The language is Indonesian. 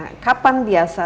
nah kapan biasanya